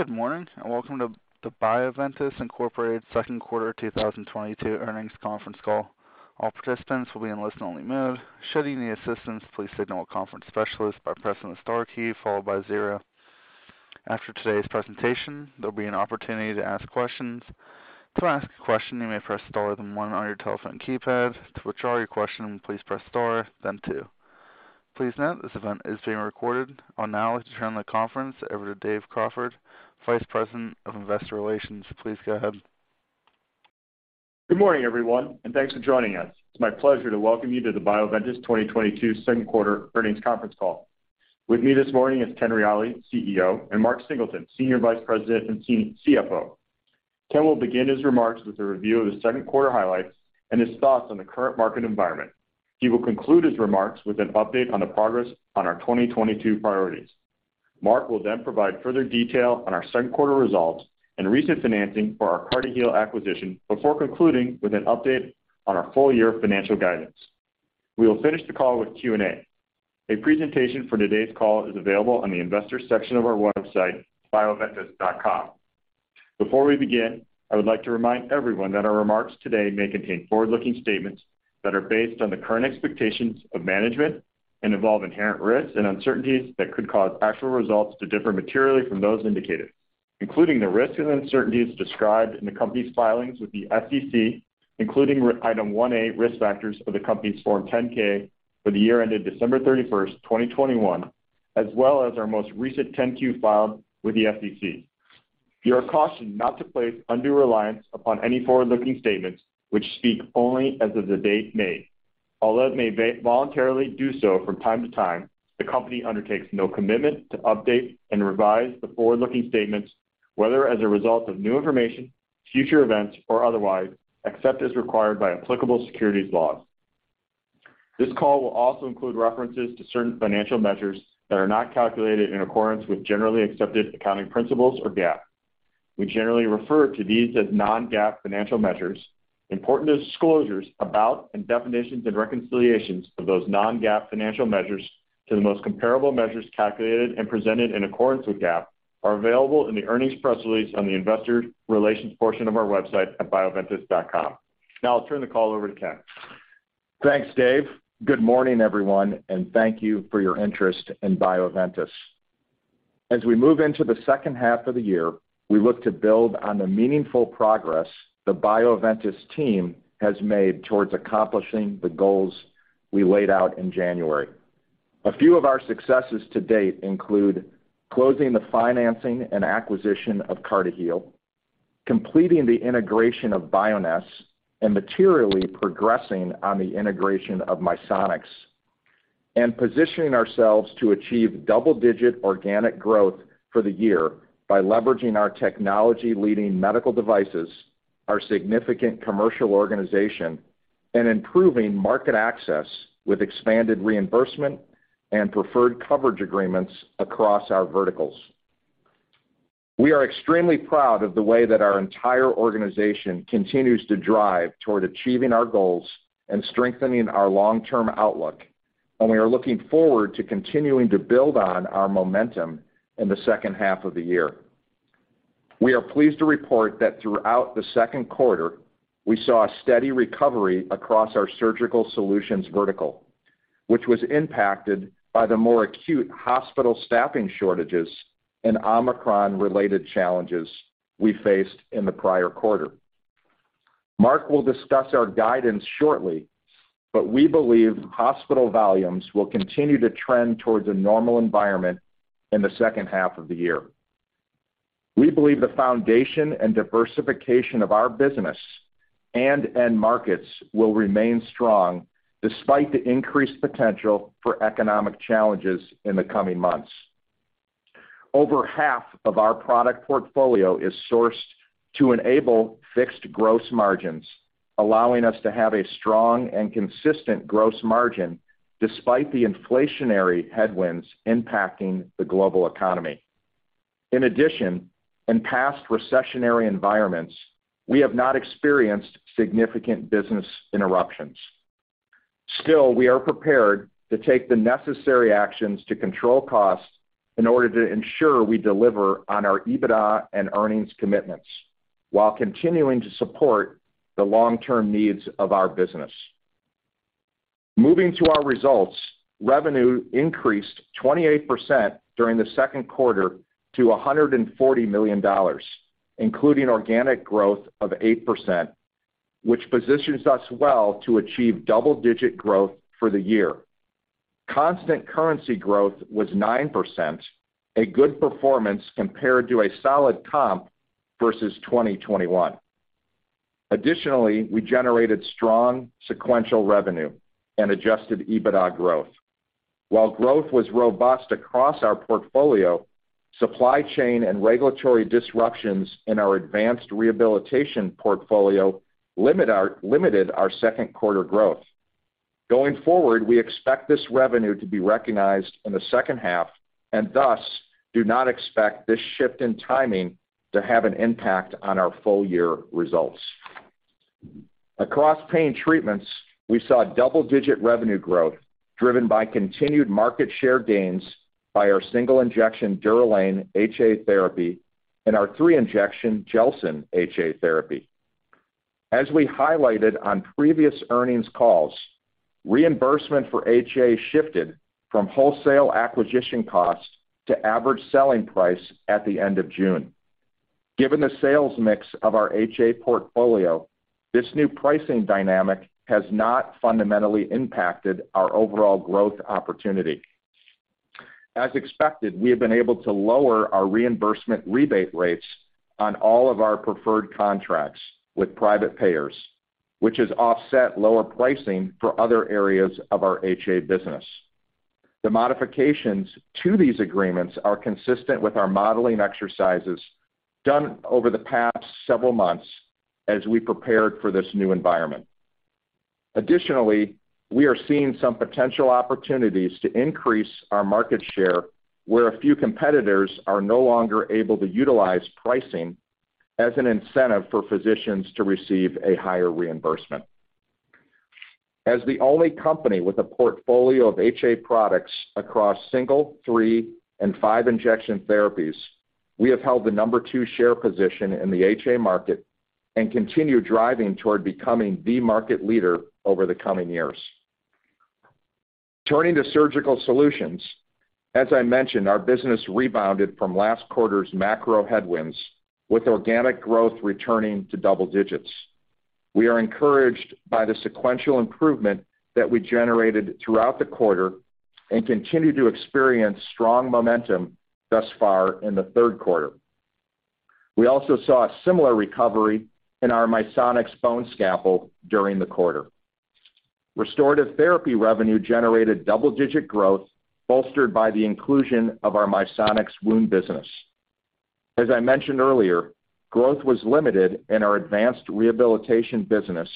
Good morning, and welcome to the Bioventus Incorporated second quarter 2022 earnings conference call. All participants will be in listen-only mode. Should you need assistance, please signal a conference specialist by pressing the star key followed by zero. After today's presentation, there'll be an opportunity to ask questions. To ask a question, you may press star then one on your telephone keypad. To withdraw your question, please press star then two. Please note this event is being recorded. I'll now like to turn the conference over to Dave Crawford, Vice President of Investor Relations. Please go ahead. Good morning, everyone, and thanks for joining us. It's my pleasure to welcome you to the Bioventus 2022 second quarter earnings conference call. With me this morning is Ken Reali, CEO, and Mark Singleton, Senior Vice President and CFO. Ken will begin his remarks with a review of the second quarter highlights and his thoughts on the current market environment. He will conclude his remarks with an update on the progress on our 2022 priorities. Mark will then provide further detail on our second quarter results and recent financing for our CartiHeal acquisition before concluding with an update on our full year financial guidance. We will finish the call with Q&A. A presentation for today's call is available on the investor section of our website, bioventus.com. Before we begin, I would like to remind everyone that our remarks today may contain forward-looking statements that are based on the current expectations of management and involve inherent risks and uncertainties that could cause actual results to differ materially from those indicated, including the risks and uncertainties described in the company's filings with the SEC, including Item 1A, Risk Factors of the company's Form 10-K for the year ended December 31st, 2021, as well as our most recent Form 10-Q filed with the SEC. You are cautioned not to place undue reliance upon any forward-looking statements which speak only as of the date made. Although it may voluntarily do so from time to time, the company undertakes no commitment to update and revise the forward-looking statements, whether as a result of new information, future events, or otherwise, except as required by applicable securities laws. This call will also include references to certain financial measures that are not calculated in accordance with generally accepted accounting principles or GAAP. We generally refer to these as non-GAAP financial measures. Important disclosures about and definitions and reconciliations of those non-GAAP financial measures to the most comparable measures calculated and presented in accordance with GAAP are available in the earnings press release on the investor relations portion of our website at bioventus.com. Now I'll turn the call over to Ken. Thanks, Dave. Good morning, everyone, and thank you for your interest in Bioventus. As we move into the second half of the year, we look to build on the meaningful progress the Bioventus team has made towards accomplishing the goals we laid out in January. A few of our successes to date include closing the financing and acquisition of CartiHeal, completing the integration of Bioness, and materially progressing on the integration of Misonix, and positioning ourselves to achieve double-digit organic growth for the year by leveraging our technology-leading medical devices, our significant commercial organization, and improving market access with expanded reimbursement and preferred coverage agreements across our verticals. We are extremely proud of the way that our entire organization continues to drive toward achieving our goals and strengthening our long-term outlook, and we are looking forward to continuing to build on our momentum in the second half of the year. We are pleased to report that throughout the second quarter, we saw a steady recovery across our Surgical Solutions vertical, which was impacted by the more acute hospital staffing shortages and Omicron-related challenges we faced in the prior quarter. Mark will discuss our guidance shortly, but we believe hospital volumes will continue to trend towards a normal environment in the second half of the year. We believe the foundation and diversification of our business and end markets will remain strong despite the increased potential for economic challenges in the coming months. Over half of our product portfolio is sourced to enable fixed gross margins, allowing us to have a strong and consistent gross margin despite the inflationary headwinds impacting the global economy. In addition, in past recessionary environments, we have not experienced significant business interruptions. Still, we are prepared to take the necessary actions to control costs in order to ensure we deliver on our EBITDA and earnings commitments while continuing to support the long-term needs of our business. Moving to our results, revenue increased 28% during the second quarter to $140 million, including organic growth of 8%, which positions us well to achieve double-digit growth for the year. Constant currency growth was 9%, a good performance compared to a solid comp versus 2021. Additionally, we generated strong sequential revenue and adjusted EBITDA growth. While growth was robust across our portfolio, supply chain and regulatory disruptions in our advanced rehabilitation portfolio limited our second quarter growth. Going forward, we expect this revenue to be recognized in the second half and thus do not expect this shift in timing to have an impact on our full year results. Across Pain Treatments, we saw double-digit revenue growth driven by continued market share gains by our single injection DUROLANE HA therapy and our three injection GELSYN-3 HA therapy. As we highlighted on previous earnings calls, reimbursement for HA shifted from wholesale acquisition costs to average selling price at the end of June. Given the sales mix of our HA portfolio, this new pricing dynamic has not fundamentally impacted our overall growth opportunity. As expected, we have been able to lower our reimbursement rebate rates on all of our preferred contracts with private payers, which has offset lower pricing for other areas of our HA business. The modifications to these agreements are consistent with our modeling exercises done over the past several months as we prepared for this new environment. Additionally, we are seeing some potential opportunities to increase our market share where a few competitors are no longer able to utilize pricing as an incentive for physicians to receive a higher reimbursement. As the only company with a portfolio of HA products across single, three, and five injection therapies, we have held the number two share position in the HA market and continue driving toward becoming the market leader over the coming years. Turning to Surgical Solutions, as I mentioned, our business rebounded from last quarter's macro headwinds with organic growth returning to double digits. We are encouraged by the sequential improvement that we generated throughout the quarter and continue to experience strong momentum thus far in the third quarter. We also saw a similar recovery in our Misonix bone scalpel during the quarter. Restorative Therapies revenue generated double-digit growth, bolstered by the inclusion of our Misonix wound business. As I mentioned earlier, growth was limited in our advanced rehabilitation business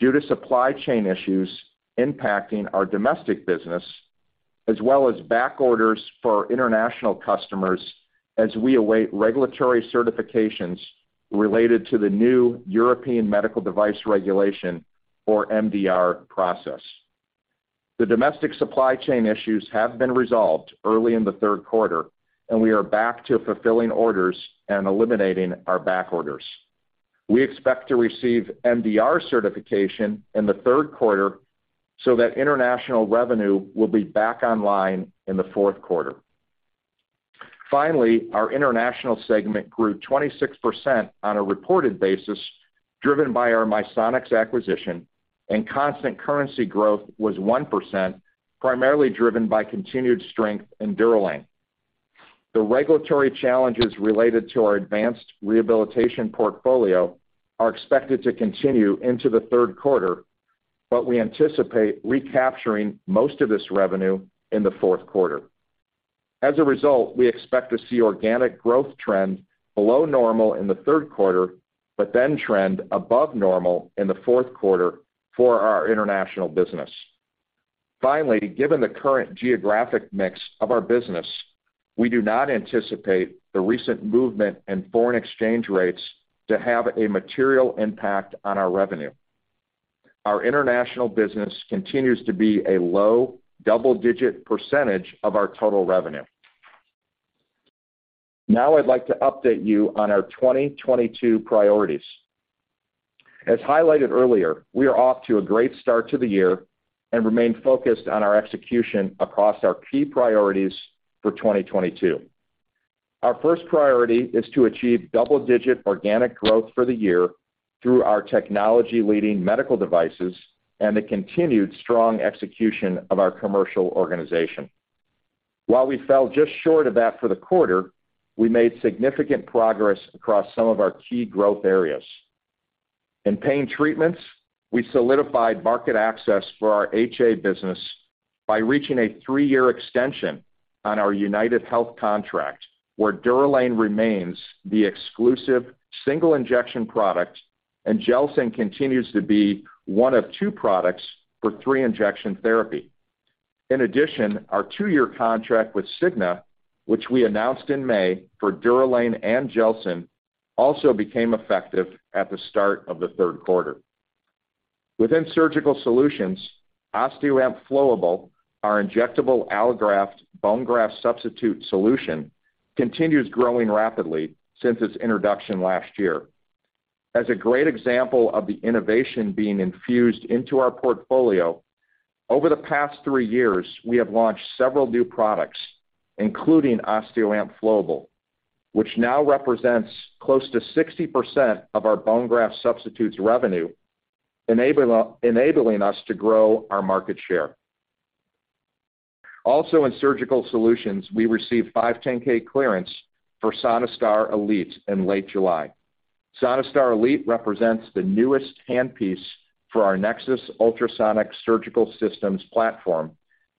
due to supply chain issues impacting our domestic business, as well as back orders for international customers as we await regulatory certifications related to the new European Medical Device Regulation, or MDR, process. The domestic supply chain issues have been resolved early in the third quarter, and we are back to fulfilling orders and eliminating our back orders. We expect to receive MDR certification in the third quarter so that international revenue will be back online in the fourth quarter. Finally, our international segment grew 26% on a reported basis, driven by our Misonix acquisition, and constant currency growth was 1%, primarily driven by continued strength in DUROLANE. The regulatory challenges related to our advanced rehabilitation portfolio are expected to continue into the third quarter, but we anticipate recapturing most of this revenue in the fourth quarter. As a result, we expect to see organic growth trend below normal in the third quarter, but then trend above normal in the fourth quarter for our international business. Finally, given the current geographic mix of our business, we do not anticipate the recent movement in foreign exchange rates to have a material impact on our revenue. Our international business continues to be a low double-digit percentage of our total revenue. Now I'd like to update you on our 2022 priorities. As highlighted earlier, we are off to a great start to the year and remain focused on our execution across our key priorities for 2022. Our first priority is to achieve double-digit organic growth for the year through our technology-leading medical devices and the continued strong execution of our commercial organization. While we fell just short of that for the quarter, we made significant progress across some of our key growth areas. In Pain Treatments, we solidified market access for our HA business by reaching a three-year extension on our UnitedHealthcare contract, where DUROLANE remains the exclusive single injection product, and GELSYN-3 continues to be one of two products for three injection therapy. In addition, our two-year contract with Cigna, which we announced in May for DUROLANE and GELSYN-3, also became effective at the start of the third quarter. Within Surgical Solutions, OSTEOAMP Flowable, our injectable allograft bone graft substitute solution, continues growing rapidly since its introduction last year. As a great example of the innovation being infused into our portfolio, over the past three years, we have launched several new products, including OSTEOAMP Flowable, which now represents close to 60% of our bone graft substitutes revenue, enabling us to grow our market share. Also in Surgical Solutions, we received 510(k) clearance for SonaStar Elite in late July. SonaStar Elite represents the newest handpiece for our Nexus Ultrasonic Surgical Aspirator System platform,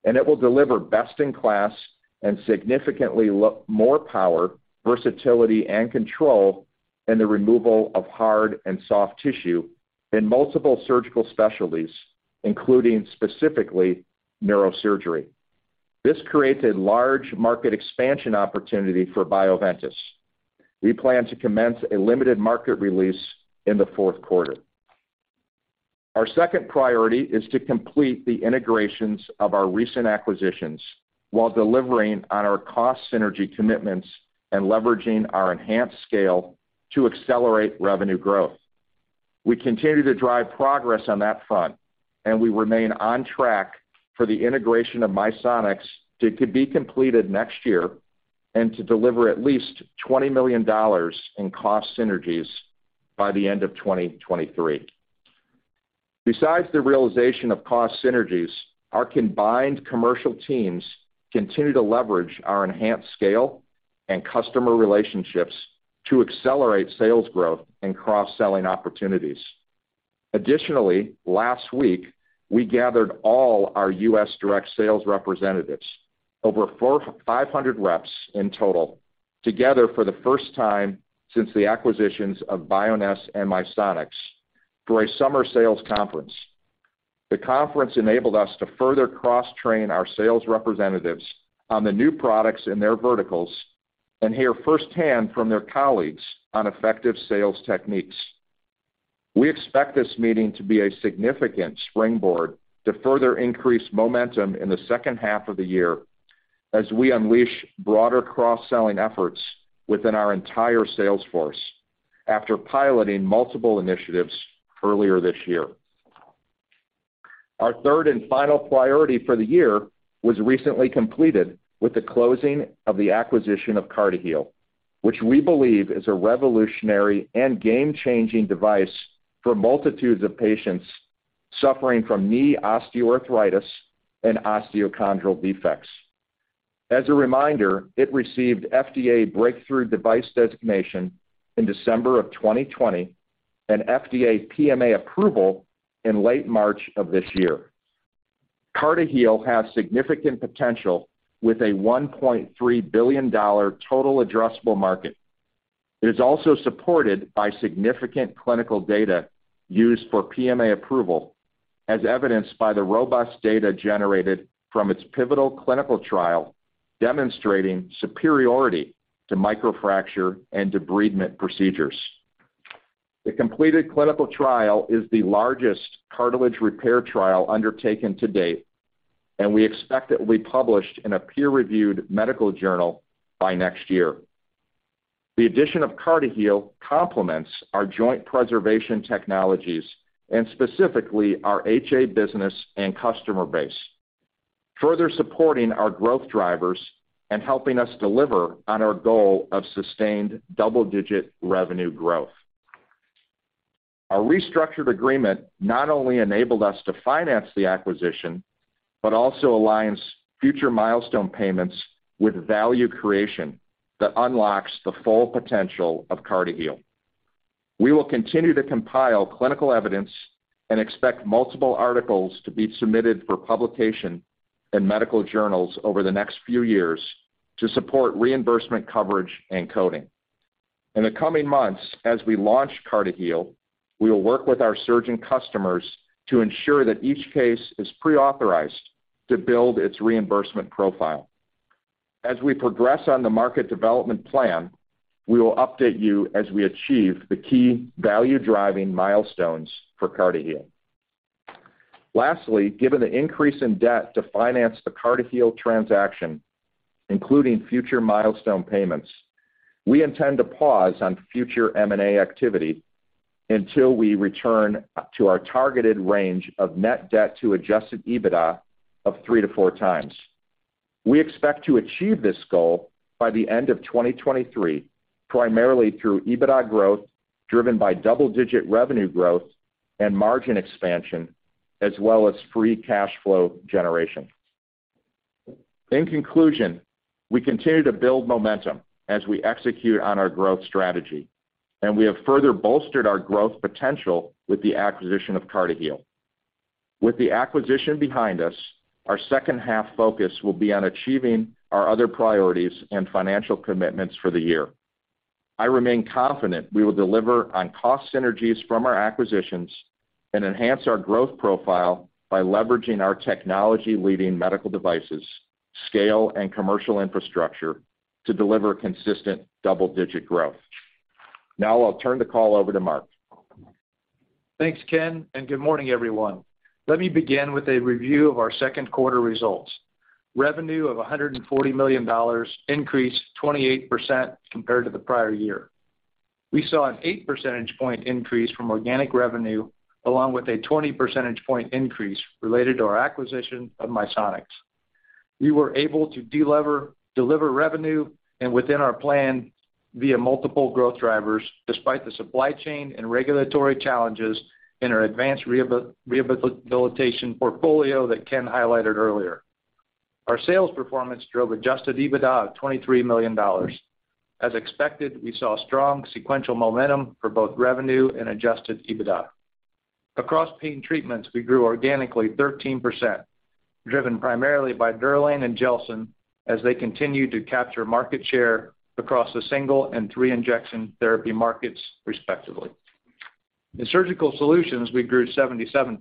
and it will deliver best-in-class and significantly more power, versatility, and control in the removal of hard and soft tissue in multiple surgical specialties, including specifically neurosurgery. This creates a large market expansion opportunity for Bioventus. We plan to commence a limited market release in the fourth quarter. Our second priority is to complete the integrations of our recent acquisitions while delivering on our cost synergy commitments and leveraging our enhanced scale to accelerate revenue growth. We continue to drive progress on that front, and we remain on track for the integration of Misonix to be completed next year and to deliver at least $20 million in cost synergies by the end of 2023. Besides the realization of cost synergies, our combined commercial teams continue to leverage our enhanced scale and customer relationships to accelerate sales growth and cross-selling opportunities. Additionally, last week, we gathered all our U.S. direct sales representatives, over 500 reps in total, together for the first time since the acquisitions of Bioness and Misonix for a summer sales conference. The conference enabled us to further cross-train our sales representatives on the new products in their verticals and hear firsthand from their colleagues on effective sales techniques. We expect this meeting to be a significant springboard to further increase momentum in the second half of the year as we unleash broader cross-selling efforts within our entire sales force after piloting multiple initiatives earlier this year. Our third and final priority for the year was recently completed with the closing of the acquisition of CartiHeal, which we believe is a revolutionary and game-changing device for multitudes of patients suffering from knee osteoarthritis and osteochondral defects. As a reminder, it received FDA breakthrough device designation in December 2020 and FDA PMA approval in late March of this year. CartiHeal has significant potential with a $1.3 billion total addressable market. It is also supported by significant clinical data used for PMA approval, as evidenced by the robust data generated from its pivotal clinical trial demonstrating superiority to microfracture and debridement procedures. The completed clinical trial is the largest cartilage repair trial undertaken to date, and we expect it will be published in a peer-reviewed medical journal by next year. The addition of CartiHeal complements our joint preservation technologies and specifically our HA business and customer base, further supporting our growth drivers and helping us deliver on our goal of sustained double-digit revenue growth. Our restructured agreement not only enabled us to finance the acquisition, but also aligns future milestone payments with value creation that unlocks the full potential of CartiHeal. We will continue to compile clinical evidence and expect multiple articles to be submitted for publication in medical journals over the next few years to support reimbursement coverage and coding. In the coming months, as we launch CartiHeal, we will work with our surgeon customers to ensure that each case is pre-authorized to build its reimbursement profile. As we progress on the market development plan, we will update you as we achieve the key value-driving milestones for CartiHeal. Lastly, given the increase in debt to finance the CartiHeal transaction, including future milestone payments, we intend to pause on future M&A activity until we return to our targeted range of net debt to adjusted EBITDA of 3x-4x. We expect to achieve this goal by the end of 2023, primarily through EBITDA growth, driven by double-digit revenue growth and margin expansion, as well as free cash flow generation. In conclusion, we continue to build momentum as we execute on our growth strategy, and we have further bolstered our growth potential with the acquisition of CartiHeal. With the acquisition behind us, our second half focus will be on achieving our other priorities and financial commitments for the year. I remain confident we will deliver on cost synergies from our acquisitions and enhance our growth profile by leveraging our technology leading medical devices, scale and commercial infrastructure to deliver consistent double-digit growth. Now I'll turn the call over to Mark. Thanks, Ken, and good morning, everyone. Let me begin with a review of our second quarter results. Revenue of $140 million increased 28% compared to the prior year. We saw an 8 percentage point increase from organic revenue, along with a 20 percentage point increase related to our acquisition of Misonix. We were able to deliver revenue and within our plan via multiple growth drivers, despite the supply chain and regulatory challenges in our advanced rehabilitation portfolio that Ken highlighted earlier. Our sales performance drove adjusted EBITDA of $23 million. As expected, we saw strong sequential momentum for both revenue and adjusted EBITDA. Across Pain Treatments, we grew organically 13%, driven primarily by DUROLANE and GELSYN-3 as they continue to capture market share across the single and three-injection therapy markets, respectively. In Surgical Solutions, we grew 77%.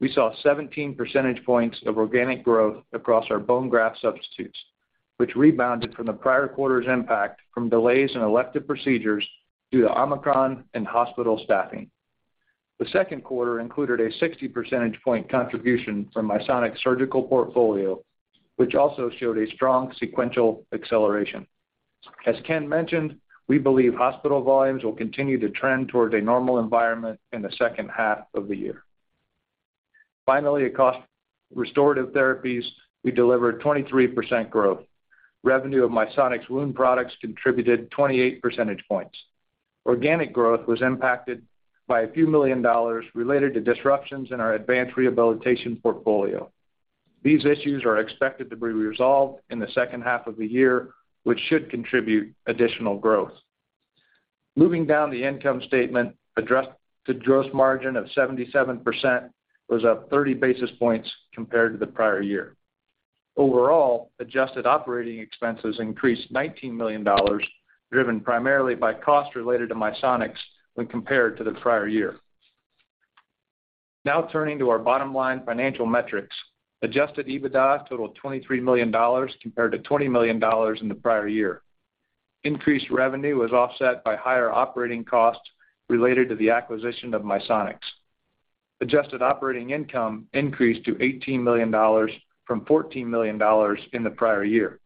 We saw 17 percentage points of organic growth across our bone graft substitutes, which rebounded from the prior quarter's impact from delays in elective procedures due to Omicron and hospital staffing. The second quarter included a 60 percentage point contribution from Misonix surgical portfolio, which also showed a strong sequential acceleration. As Ken mentioned, we believe hospital volumes will continue to trend towards a normal environment in the second half of the year. Finally, across Restorative Therapies, we delivered 23% growth. Revenue of Misonix wound products contributed 28 percentage points. Organic growth was impacted by a few million dollars related to disruptions in our advanced rehabilitation portfolio. These issues are expected to be resolved in the second half of the year, which should contribute additional growth. Moving down the income statement, the gross margin of 77% was up 30 basis points compared to the prior year. Overall, adjusted operating expenses increased $19 million, driven primarily by costs related to Misonix when compared to the prior year. Now turning to our bottom line financial metrics. Adjusted EBITDA totaled $23 million compared to $20 million in the prior year. Increased revenue was offset by higher operating costs related to the acquisition of Misonix. Adjusted operating income increased to $18 million from $14 million in the prior year.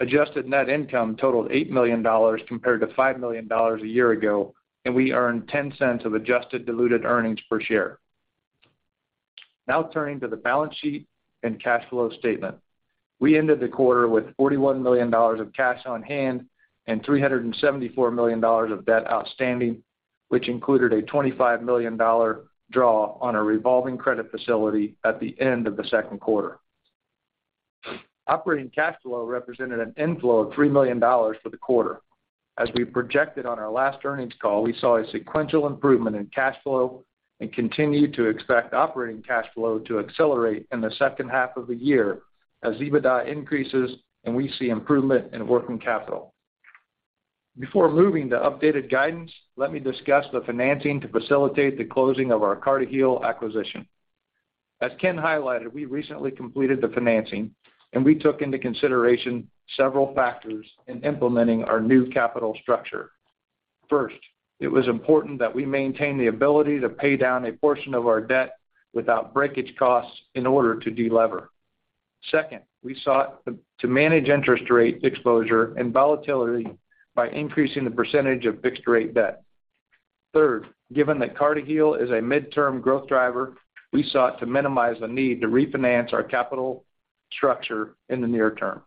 Adjusted net income totaled $8 million compared to $5 million a year ago, and we earned $0.10 of adjusted diluted earnings per share. Now turning to the balance sheet and cash flow statement. We ended the quarter with $41 million of cash on hand and $374 million of debt outstanding, which included a $25 million draw on a revolving credit facility at the end of the second quarter. Operating cash flow represented an inflow of $3 million for the quarter. As we projected on our last earnings call, we saw a sequential improvement in cash flow and continued to expect operating cash flow to accelerate in the second half of the year as EBITDA increases and we see improvement in working capital. Before moving to updated guidance, let me discuss the financing to facilitate the closing of our CartiHeal acquisition. As Ken highlighted, we recently completed the financing, and we took into consideration several factors in implementing our new capital structure. First, it was important that we maintain the ability to pay down a portion of our debt without breakage costs in order to delever. Second, we sought to manage interest rate exposure and volatility by increasing the percentage of fixed rate debt. Third, given that CartiHeal is a midterm growth driver, we sought to minimize the need to refinance our capital structure in the near term.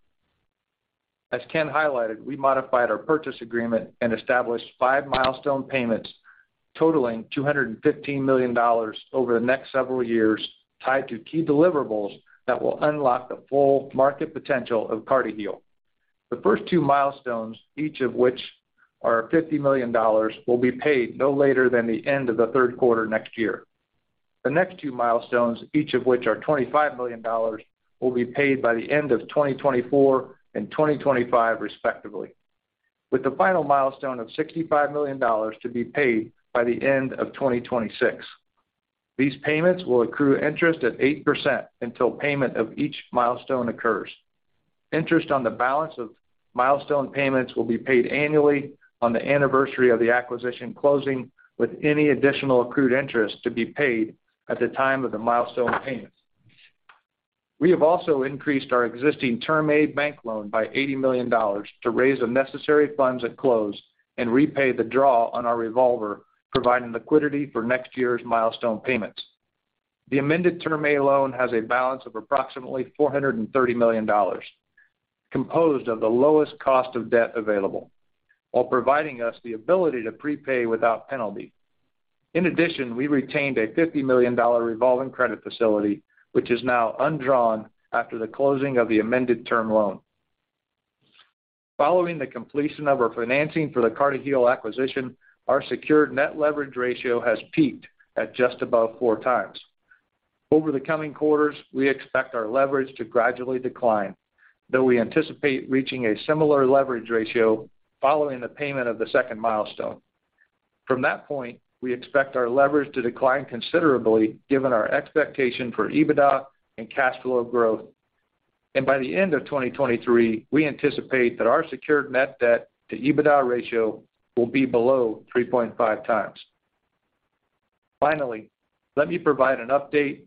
As Ken highlighted, we modified our purchase agreement and established five milestone payments totaling $215 million over the next several years tied to key deliverables that will unlock the full market potential of CartiHeal. The first two milestones, each of which are $50 million, will be paid no later than the end of the third quarter next year. The next two milestones, each of which are $25 million, will be paid by the end of 2024 and 2025 respectively, with the final milestone of $65 million to be paid by the end of 2026. These payments will accrue interest at 8% until payment of each milestone occurs. Interest on the balance of milestone payments will be paid annually on the anniversary of the acquisition closing, with any additional accrued interest to be paid at the time of the milestone payments. We have also increased our existing term loan by $80 million to raise the necessary funds at close and repay the draw on our revolver, providing liquidity for next year's milestone payments. The amended Term A loan has a balance of approximately $430 million, composed of the lowest cost of debt available while providing us the ability to prepay without penalty. In addition, we retained a $50 million revolving credit facility, which is now undrawn after the closing of the amended Term loan. Following the completion of our financing for the CartiHeal acquisition, our secured net leverage ratio has peaked at just above 4x. Over the coming quarters, we expect our leverage to gradually decline, though we anticipate reaching a similar leverage ratio following the payment of the second milestone. From that point, we expect our leverage to decline considerably given our expectation for EBITDA and cash flow growth. By the end of 2023, we anticipate that our secured net debt to EBITDA ratio will be below 3.5x. Finally, let me provide an update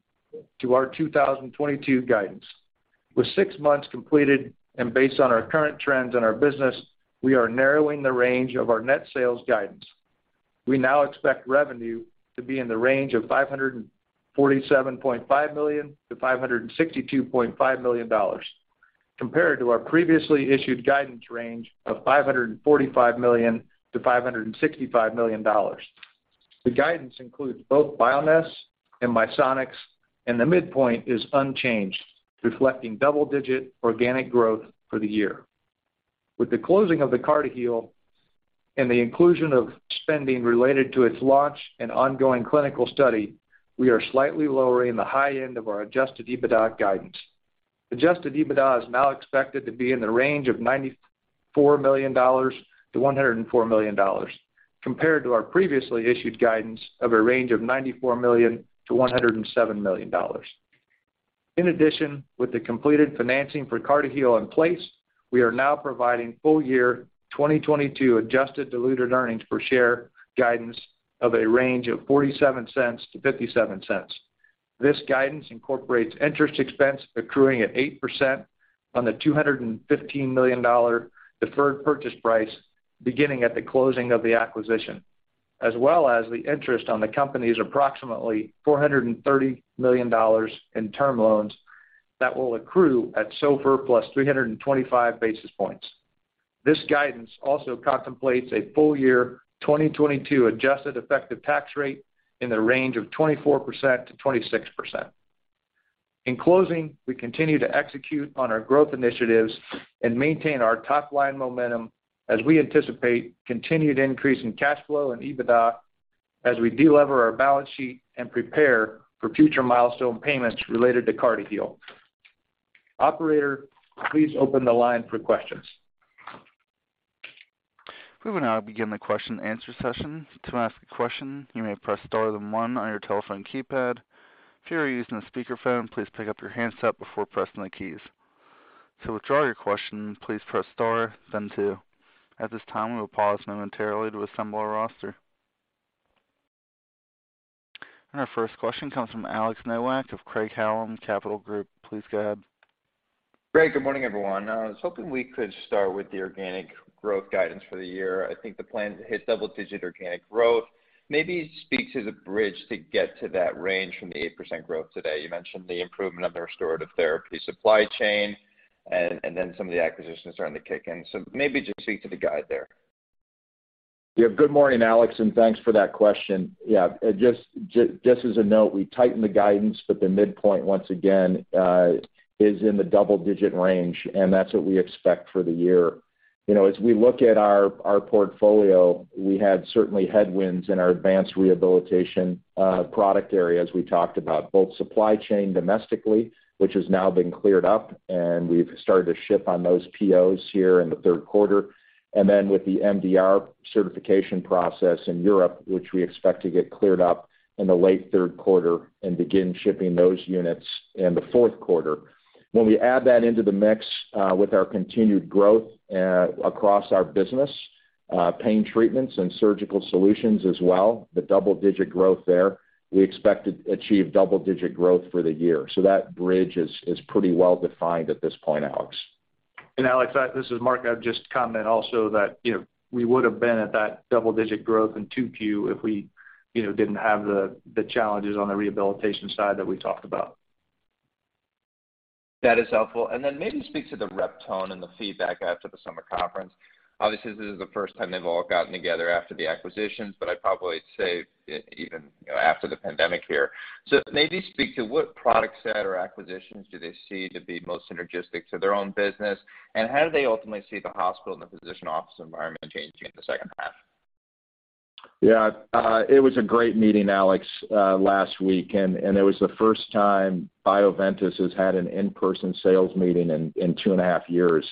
to our 2022 guidance. With six months completed and based on our current trends in our business, we are narrowing the range of our net sales guidance. We now expect revenue to be in the range of $547.5 million-$562.5 million compared to our previously issued guidance range of $545 million-$565 million. The guidance includes both Bioness and Misonix, and the midpoint is unchanged, reflecting double-digit organic growth for the year. With the closing of the CartiHeal and the inclusion of spending related to its launch and ongoing clinical study, we are slightly lowering the high end of our adjusted EBITDA guidance. Adjusted EBITDA is now expected to be in the range of $95.4 million-$104 million, compared to our previously issued guidance of a range of $94 million-$107 million. With the completed financing for CartiHeal in place, we are now providing full year 2022 adjusted diluted earnings per share guidance of a range of $0.47-$0.57. This guidance incorporates interest expense accruing at 8% on the $215 million deferred purchase price beginning at the closing of the acquisition, as well as the interest on the company's approximately $430 million in term loans that will accrue at SOFR +325 basis points. This guidance also contemplates a full year 2022 adjusted effective tax rate in the range of 24%-26%. In closing, we continue to execute on our growth initiatives and maintain our top line momentum as we anticipate continued increase in cash flow and EBITDA as we de-lever our balance sheet and prepare for future milestone payments related to CartiHeal. Operator, please open the line for questions. We will now begin the question answer session. To ask a question, you may press star then one on your telephone keypad. If you are using a speakerphone, please pick up your handset before pressing the keys. To withdraw your question, please press star then two. At this time, we will pause momentarily to assemble our roster. Our first question comes from Alex Nowak of Craig-Hallum Capital Group. Please go ahead. Great. Good morning, everyone. I was hoping we could start with the organic growth guidance for the year. I think the plan to hit double-digit organic growth. Maybe speak to the bridge to get to that range from the 8% growth today. You mentioned the improvement on the Restorative Therapies supply chain and then some of the acquisitions starting to kick in. Maybe just speak to the guide there? Yeah. Good morning, Alex, and thanks for that question. Yeah, just as a note, we tightened the guidance at the midpoint once again, is in the double-digit range, and that's what we expect for the year. You know, as we look at our portfolio, we had certainly headwinds in our advanced rehabilitation product areas we talked about, both supply chain domestically, which has now been cleared up, and we've started to ship on those POs here in the third quarter. Then with the MDR certification process in Europe, which we expect to get cleared up in the late third quarter and begin shipping those units in the fourth quarter. When we add that into the mix, with our continued growth, across our business, Pain Treatments and Surgical Solutions as well, the double-digit growth there, we expect to achieve double-digit growth for the year. That bridge is pretty well-defined at this point, Alex. Alex, this is Mark. I'd just comment also that, you know, we would have been at that double-digit growth in 2Q if we, you know, didn't have the challenges on the rehabilitation side that we talked about. That is helpful. Then maybe speak to the rep tone and the feedback after the summer conference. Obviously, this is the first time they've all gotten together after the acquisitions, but I'd probably say even after the pandemic here. Maybe speak to what product set or acquisitions do they see to be most synergistic to their own business, and how do they ultimately see the hospital and the physician office environment changing in the second half? Yeah, it was a great meeting, Alex, last week, and it was the first time Bioventus has had an in-person sales meeting in two and a half years.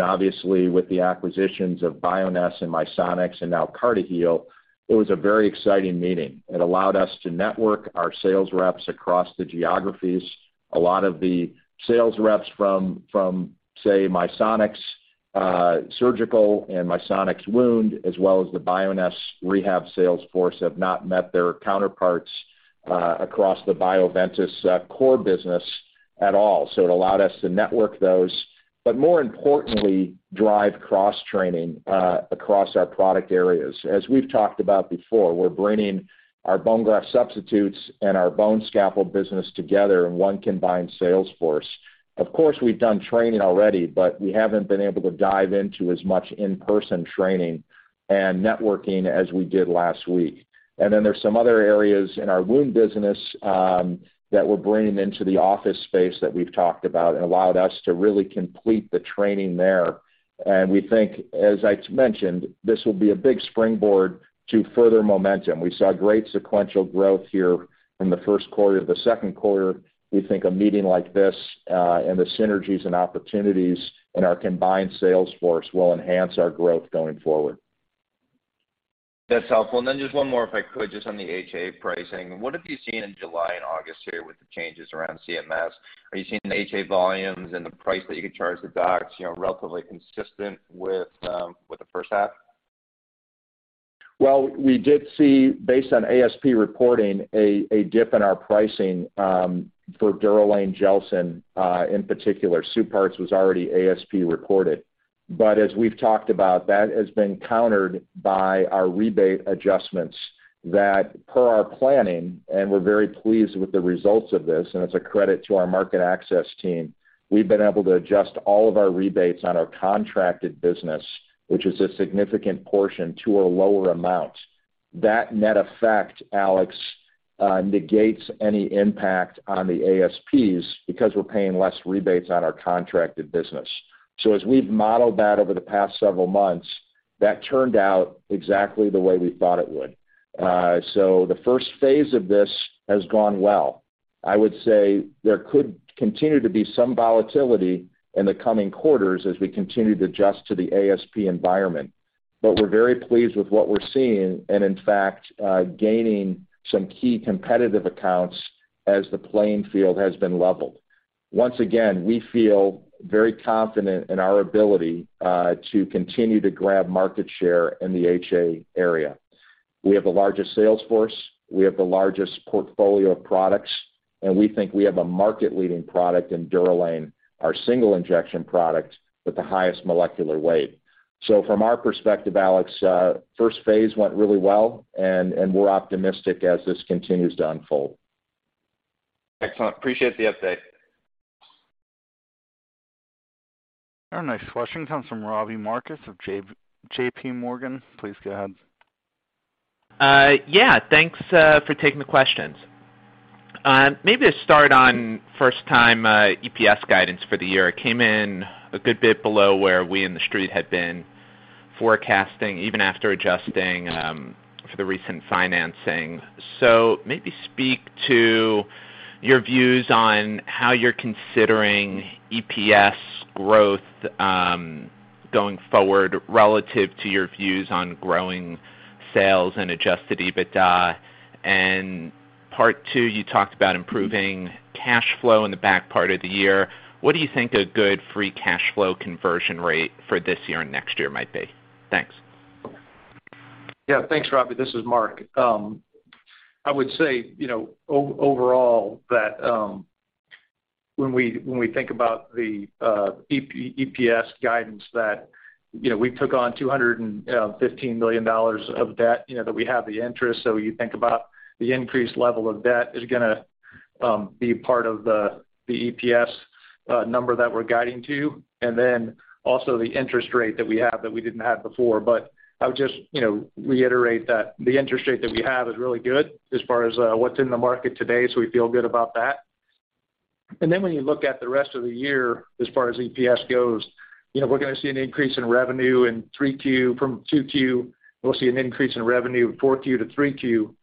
Obviously, with the acquisitions of Bioness and Misonix and now CartiHeal, it was a very exciting meeting. It allowed us to network our sales reps across the geographies. A lot of the sales reps from, say, Misonix Surgical and Misonix Wound, as well as the Bioness rehab sales force, have not met their counterparts across the Bioventus core business at all. It allowed us to network those, but more importantly, drive cross-training across our product areas. As we've talked about before, we're bringing our bone graft substitutes and our bone scaffold business together in one combined sales force. Of course, we've done training already, but we haven't been able to dive into as much in-person training and networking as we did last week. Then there's some other areas in our wound business that we're bringing into the office space that we've talked about. It allowed us to really complete the training there. We think, as I mentioned, this will be a big springboard to further momentum. We saw great sequential growth here from the first quarter to the second quarter. We think a meeting like this and the synergies and opportunities in our combined sales force will enhance our growth going forward. That's helpful. Then just one more, if I could, just on the HA pricing. What have you seen in July and August here with the changes around CMS? Are you seeing the HA volumes and the price that you can charge the docs, you know, relatively consistent with the first half? Well, we did see, based on ASP reporting, a dip in our pricing for DUROLANE, GELSYN-3, in particular. SUPARTZ FX was already ASP reported. As we've talked about, that has been countered by our rebate adjustments that per our planning, and we're very pleased with the results of this, and it's a credit to our market access team. We've been able to adjust all of our rebates on our contracted business, which is a significant portion, to a lower amount. That net effect, Alex, negates any impact on the ASPs because we're paying less rebates on our contracted business. As we've modeled that over the past several months, that turned out exactly the way we thought it would. The first phase of this has gone well. I would say there could continue to be some volatility in the coming quarters as we continue to adjust to the ASP environment. We're very pleased with what we're seeing and, in fact, gaining some key competitive accounts as the playing field has been leveled. Once again, we feel very confident in our ability to continue to grab market share in the HA area. We have the largest sales force, we have the largest portfolio of products, and we think we have a market-leading product in DUROLANE, our single injection product with the highest molecular weight. From our perspective, Alex, first phase went really well and we're optimistic as this continues to unfold. Excellent. Appreciate the update. Our next question comes from Robbie Marcus of JPMorgan. Please go ahead. Yeah, thanks for taking the questions. Maybe to start on first time EPS guidance for the year. It came in a good bit below where we in the street had been forecasting, even after adjusting for the recent financing. So maybe speak to your views on how you're considering EPS growth going forward relative to your views on growing sales and adjusted EBITD? Part two, you talked about improving cash flow in the back part of the year. What do you think a good free cash flow conversion rate for this year and next year might be? Thanks. Yeah. Thanks, Robbie. This is Mark. I would say, you know, overall that, when we think about the EPS guidance that, you know, we took on $215 million of debt, you know, that we have the interest. So you think about the increased level of debt is gonna be part of the EPS number that we're guiding to, and then also the interest rate that we have that we didn't have before. But I would just, you know, reiterate that the interest rate that we have is really good as far as what's in the market today, so we feel good about that. Then when you look at the rest of the year, as far as EPS goes, you know, we're gonna see an increase in revenue in 3Q from 2Q. We'll see an increase in revenue 4Q to 3Q.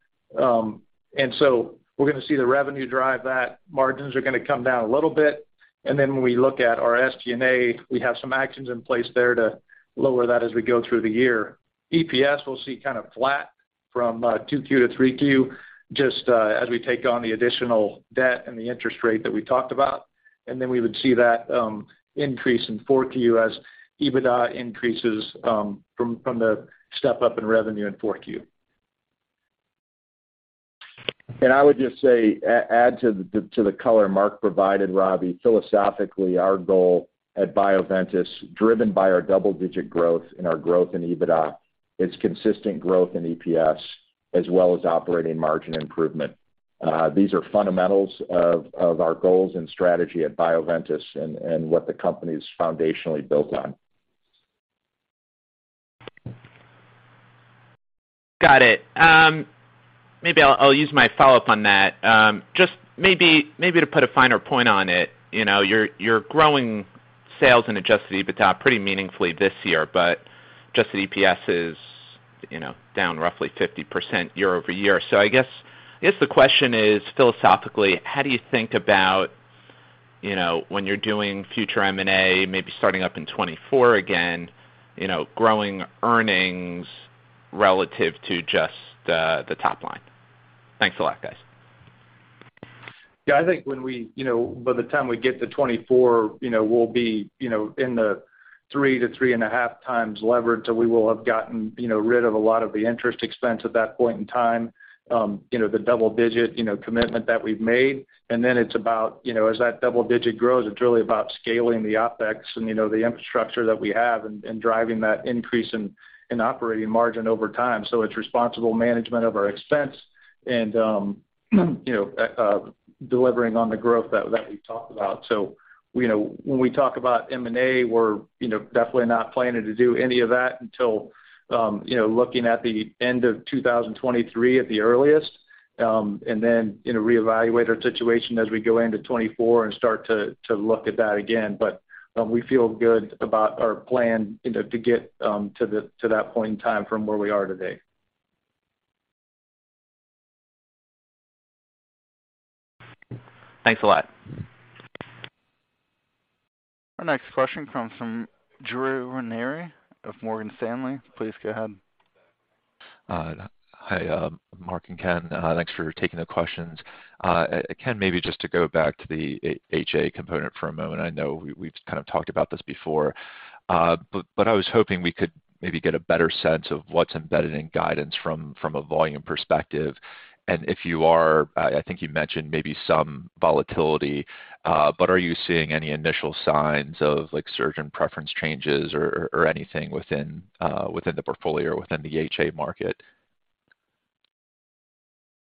We're gonna see the revenue drive that. Margins are gonna come down a little bit. When we look at our SG&A, we have some actions in place there to lower that as we go through the year. EPS, we'll see kind of flat from 2Q to 3Q, just as we take on the additional debt and the interest rate that we talked about. We would see that increase in 4Q as EBITDA increases from the step-up in revenue in 4Q. I would just say, add to the color Mark provided, Robbie, philosophically, our goal at Bioventus, driven by our double-digit growth and our growth in EBITDA, is consistent growth in EPS as well as operating margin improvement. These are fundamentals of our goals and strategy at Bioventus and what the company is foundationally built on. Got it. Maybe I'll use my follow-up on that. Just maybe to put a finer point on it, you know, you're growing sales and adjusted EBITDA pretty meaningfully this year, but adjusted EPS is, you know, down roughly 50% year-over-year. I guess the question is, philosophically, how do you think about, you know, when you're doing future M&A, maybe starting up in 2024 again, you know, growing earnings relative to just the top line? Thanks a lot, guys. Yeah, I think when we get to 2024, you know, we'll be, you know, in the 3x-3.5x levered, so we will have gotten, you know, rid of a lot of the interest expense at that point in time, you know, the double-digit commitment that we've made. Then it's about, you know, as that double-digit grows, it's really about scaling the OpEx and, you know, the infrastructure that we have and driving that increase in operating margin over time. It's responsible management of our expense and, you know, delivering on the growth that we talked about. You know, when we talk about M&A, we're, you know, definitely not planning to do any of that until, you know, looking at the end of 2023 at the earliest, and then, you know, reevaluate our situation as we go into 2024 and start to look at that again. We feel good about our plan, you know, to get to that point in time from where we are today. Thanks a lot. Our next question comes from Drew Ranieri of Morgan Stanley. Please go ahead. Hi, Mark and Ken. Thanks for taking the questions. Ken, maybe just to go back to the HA component for a moment. I know we've kind of talked about this before, but I was hoping we could maybe get a better sense of what's embedded in guidance from a volume perspective. If you are, I think you mentioned maybe some volatility, but are you seeing any initial signs of, like, surgeon preference changes or anything within the portfolio, within the HA market?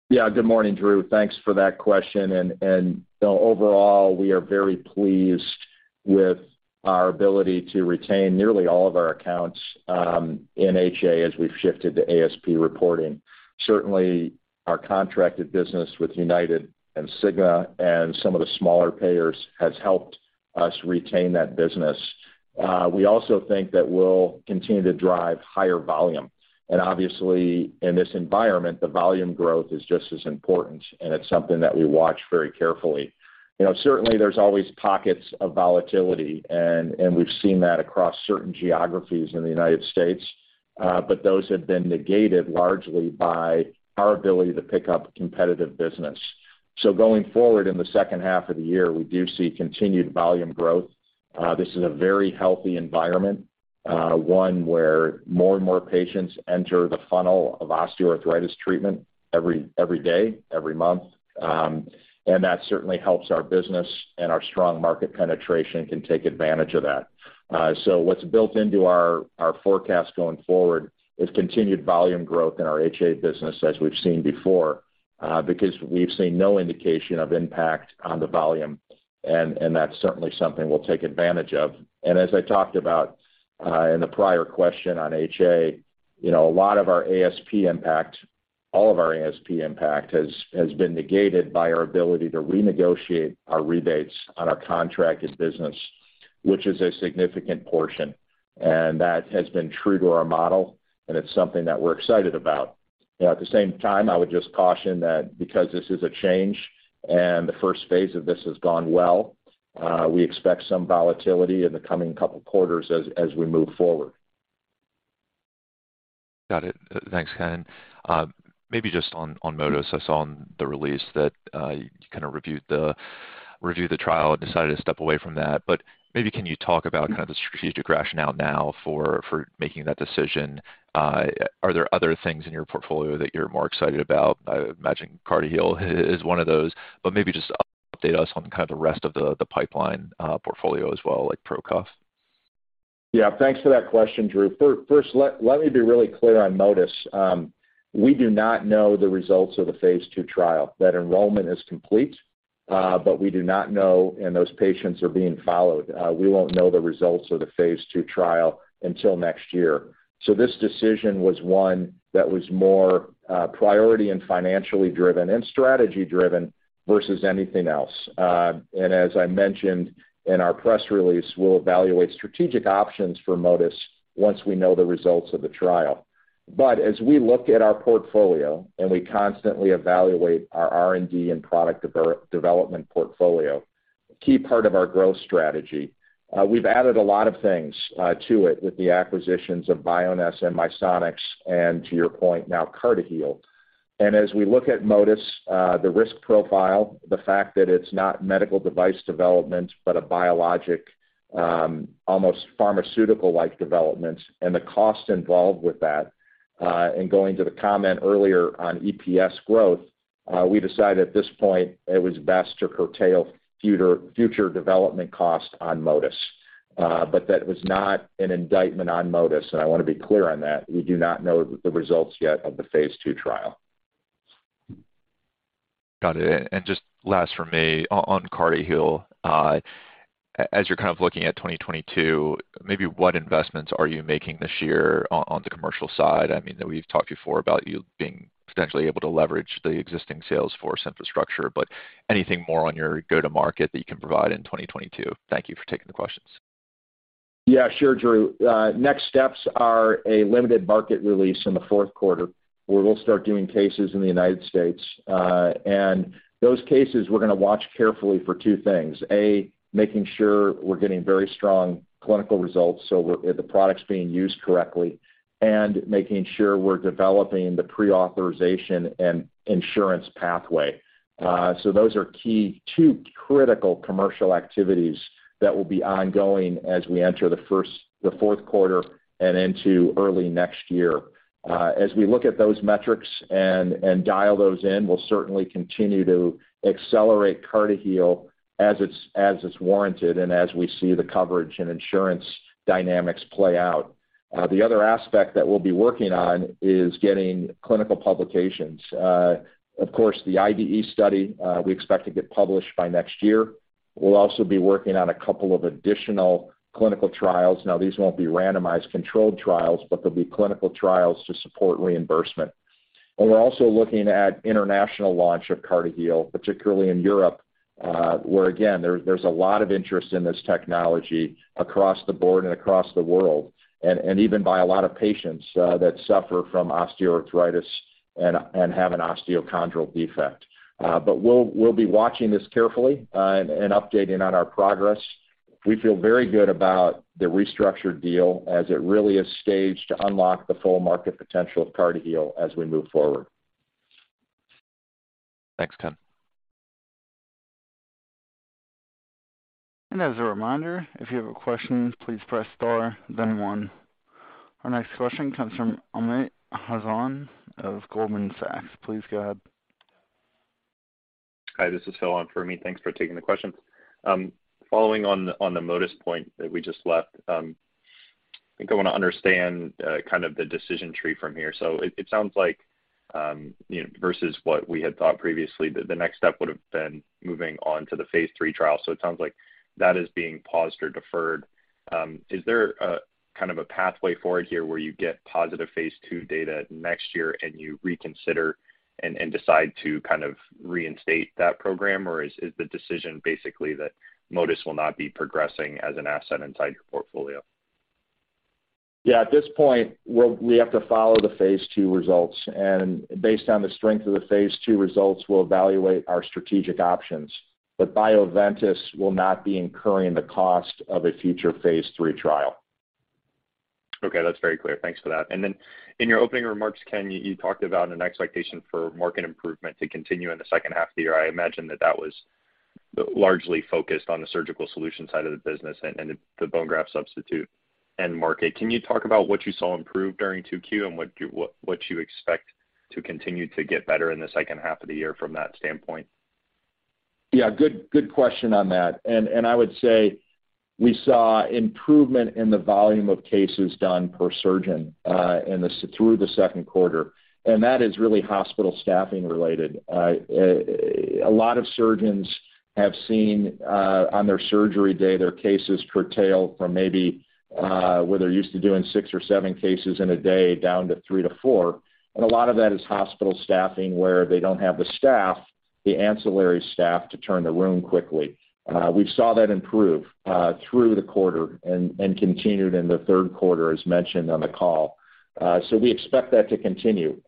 Yeah. Good morning, Drew. Thanks for that question. You know, overall, we are very pleased with our ability to retain nearly all of our accounts in HA as we've shifted to ASP reporting. Certainly, our contracted business with United and Cigna and some of the smaller payers has helped us retain that business. We also think that we'll continue to drive higher volume. Obviously, in this environment, the volume growth is just as important, and it's something that we watch very carefully. You know, certainly there's always pockets of volatility, and we've seen that across certain geographies in the United States, but those have been negated largely by our ability to pick up competitive business. Going forward in the second half of the year, we do see continued volume growth. This is a very healthy environment, one where more and more patients enter the funnel of osteoarthritis treatment every day, every month. That certainly helps our business, and our strong market penetration can take advantage of that. What's built into our forecast going forward is continued volume growth in our HA business as we've seen before, because we've seen no indication of impact on the volume, and that's certainly something we'll take advantage of. As I talked about in the prior question on HA, you know, a lot of our ASP impact, all of our ASP impact has been negated by our ability to renegotiate our rebates on our contracted business, which is a significant portion. That has been true to our model, and it's something that we're excited about. You know, at the same time, I would just caution that because this is a change, and the first phase of this has gone well, we expect some volatility in the coming couple quarters as we move forward. Got it. Thanks, Ken. Maybe just on MOTYS, I saw on the release that you reviewed the trial and decided to step away from that. Maybe can you talk about kind of the strategic rationale now for making that decision? Are there other things in your portfolio that you're more excited about? I imagine CartiHeal is one of those, but maybe just update us on kind of the rest of the pipeline, portfolio as well, like PROcuff? Yeah. Thanks for that question, Drew. First, let me be really clear on MOTYS. We do not know the results of the phase II trial. That enrollment is complete, but we do not know, and those patients are being followed. We won't know the results of the phase II trial until next year. This decision was one that was more priority and financially driven and strategy driven versus anything else. As I mentioned in our press release, we'll evaluate strategic options for MOTYS once we know the results of the trial. As we look at our portfolio, and we constantly evaluate our R&D and product development portfolio, a key part of our growth strategy, we've added a lot of things to it with the acquisitions of Bioness and Misonix and, to your point, now CartiHeal. As we look at MOTYS, the risk profile, the fact that it's not medical device development but a biologic, almost pharmaceutical-like development and the cost involved with that, and going to the comment earlier on EPS growth, we decided at this point it was best to curtail future development costs on MOTYS. That was not an indictment on MOTYS, and I wanna be clear on that. We do not know the results yet of the phase II trial. Got it. Just last from me on CartiHeal, as you're kind of looking at 2022, maybe what investments are you making this year on the commercial side? I mean, we've talked before about you being potentially able to leverage the existing sales force infrastructure. Anything more on your go-to-market that you can provide in 2022? Thank you for taking the questions. Yeah, sure, Drew. Next steps are a limited market release in the fourth quarter, where we'll start doing cases in the United States. Those cases we're gonna watch carefully for two things, A, making sure we're getting very strong clinical results, so the product's being used correctly, and making sure we're developing the pre-authorization and insurance pathway. Those are key two critical commercial activities that will be ongoing as we enter the fourth quarter and into early next year. As we look at those metrics and dial those in, we'll certainly continue to accelerate CartiHeal as it's warranted and as we see the coverage and insurance dynamics play out. The other aspect that we'll be working on is getting clinical publications. Of course, the IDE study, we expect to get published by next year. We'll also be working on a couple of additional clinical trials. Now these won't be randomized controlled trials, but they'll be clinical trials to support reimbursement. We're also looking at international launch of CartiHeal, particularly in Europe, where again, there's a lot of interest in this technology across the board and across the world, and even by a lot of patients that suffer from osteoarthritis and have an osteochondral defect. We'll be watching this carefully and updating on our progress. We feel very good about the restructured deal as it really is staged to unlock the full market potential of CartiHeal as we move forward. Thanks, Ken. As a reminder, if you have a question, please press star then one. Our next question comes from Amit Hazan of Goldman Sachs. Please go ahead. Hi, this is [so long for me]. Thanks for taking the question. Following on the MOTYS point that we just left, I think I wanna understand kind of the decision tree from here. It sounds like you know versus what we had thought previously, the next step would have been moving on to the phase III trial. It sounds like that is being paused or deferred. Is there kind of a pathway forward here where you get positive phase II data next year and you reconsider and decide to kind of reinstate that program? Or is the decision basically that MOTYS will not be progressing as an asset inside your portfolio? Yeah, at this point, we have to follow the phase II results. Based on the strength of the phase II results, we'll evaluate our strategic options. Bioventus will not be incurring the cost of a future phase III trial. Okay. That's very clear. Thanks for that. Then in your opening remarks, Ken, you talked about an expectation for market improvement to continue in the second half of the year. I imagine that was largely focused on the Surgical Solutions side of the business and the bone graft substitute end market. Can you talk about what you saw improve during 2Q and what you expect to continue to get better in the second half of the year from that standpoint? Yeah, good question on that. I would say we saw improvement in the volume of cases done per surgeon through the second quarter, and that is really hospital staffing related. A lot of surgeons have seen on their surgery day their cases curtail from maybe where they're used to doing six or seven cases in a day down to three to four. A lot of that is hospital staffing, where they don't have the staff, the ancillary staff, to turn the room quickly. We saw that improve through the quarter and continued in the third quarter as mentioned on the call. We expect that to continue.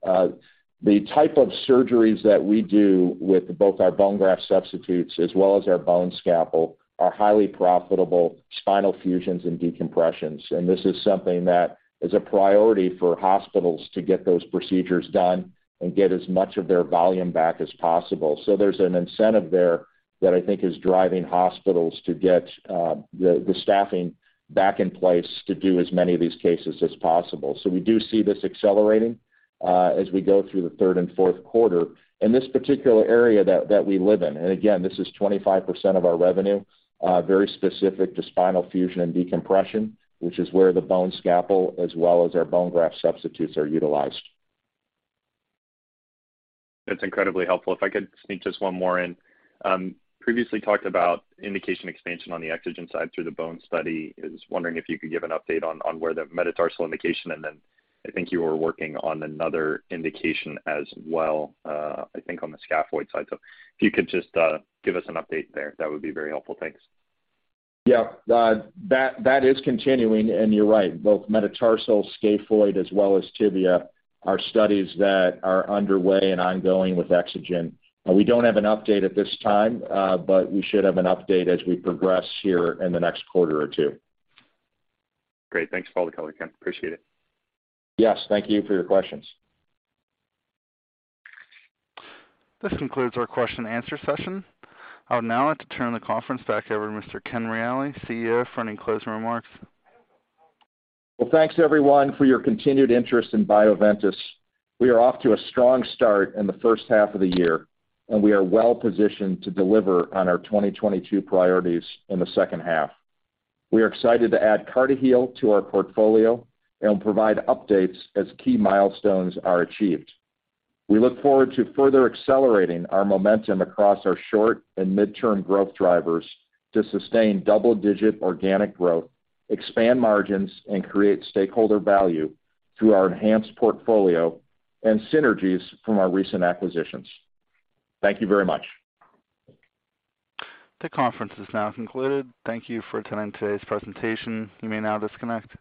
The type of surgeries that we do with both our bone graft substitutes as well as our bone scalpel are highly profitable spinal fusions and decompressions. This is something that is a priority for hospitals to get those procedures done and get as much of their volume back as possible. There's an incentive there that I think is driving hospitals to get the staffing back in place to do as many of these cases as possible. We do see this accelerating as we go through the third and fourth quarter. This particular area that we live in, and again, this is 25% of our revenue, very specific to spinal fusion and decompression, which is where the bone scalpel as well as our bone graft substitutes are utilized. That's incredibly helpful. If I could sneak just one more in. Previously talked about indication expansion on the EXOGEN side through the bone study. I was wondering if you could give an update on where the metatarsal indication and then I think you were working on another indication as well, I think on the scaphoid side. If you could just give us an update there, that would be very helpful? Thanks. Yeah. That is continuing. You're right, both metatarsal, scaphoid, as well as tibia are studies that are underway and ongoing with EXOGEN. We don't have an update at this time, but we should have an update as we progress here in the next quarter or two. Great. Thanks for the color, Ken. Appreciate it. Yes, thank you for your questions. This concludes our question and answer session. I would now like to turn the conference back over to Mr. Ken Reali, CEO, for any closing remarks. Well, thanks everyone for your continued interest in Bioventus. We are off to a strong start in the first half of the year, and we are well positioned to deliver on our 2022 priorities in the second half. We are excited to add CartiHeal to our portfolio and provide updates as key milestones are achieved. We look forward to further accelerating our momentum across our short- and mid-term growth drivers to sustain double-digit organic growth, expand margins, and create stakeholder value through our enhanced portfolio and synergies from our recent acquisitions. Thank you very much. The conference is now concluded. Thank you for attending today's presentation. You may now disconnect.